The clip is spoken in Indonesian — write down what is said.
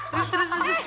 terus terus terus terus